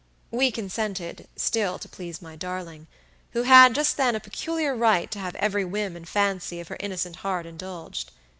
We consented, still to please my darling, who had just then a peculiar right to have every whim and fancy of her innocent heart indulged.